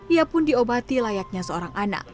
ia pun diobati layaknya seorang anak